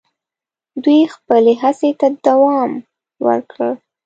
دوی خپلي هڅي ته دوم ورکړ.